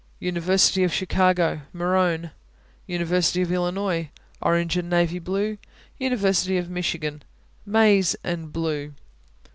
University of Chicago Maroon. University of Illinois Orange and navy blue. University of Michigan Maize and blue.